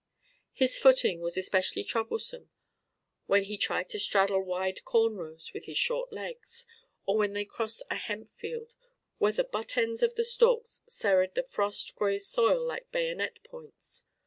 His footing was especially troublesome when he tried to straddle wide corn rows with his short legs; or when they crossed a hemp field where the butt ends of the stalks serried the frost gray soil like bayonet points.